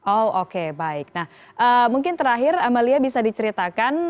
oh oke baik nah mungkin terakhir amalia bisa diceritakan